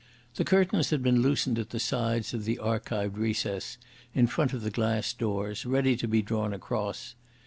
The curtains had been loosened at the sides of the arched recess in front of the glass doors, ready to be drawn across.